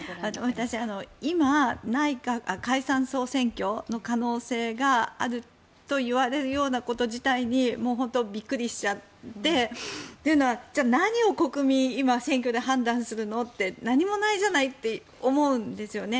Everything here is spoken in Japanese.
私、今解散・総選挙の可能性があるといわれるようなこと自体に本当にびっくりしちゃって。というのは何を国民は今選挙で判断するの？って何もないじゃないって思うんですよね。